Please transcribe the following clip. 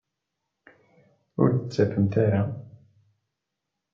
Ur d-ttadfemt ara.